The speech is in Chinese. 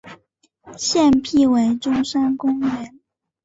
现辟为中山公园。